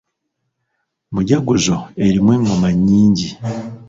Mujaguzo erimu engoma nnyingi.